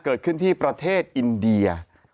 เกิดขึ้นที่ประเทศอินเดีย